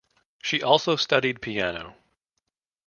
She also studied piano.